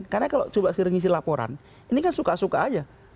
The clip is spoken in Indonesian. karena kalau coba siring isi laporan ini kan suka suka saja